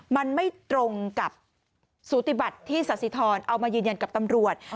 มันไม่ตรงกับสูติบัติที่สาธิธรเอามายืนยันกับตำรวจ